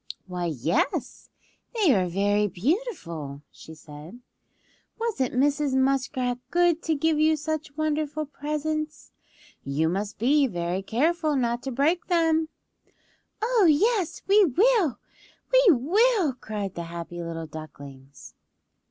"Why, yes, they are very beautiful," she said. "Wasn't Mrs. Muskrat good to give you such wonderful presents. You must be very careful not to break them." "Oh, yes, we will! We will!" cried the happy little ducklings.